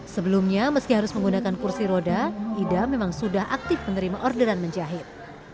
sebelumnya meski harus menggunakan kursi roda ida memang sudah aktif menerima orderan menjahit